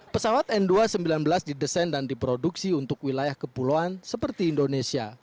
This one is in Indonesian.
pesawat n dua ratus sembilan belas didesain dan diproduksi untuk wilayah kepulauan seperti indonesia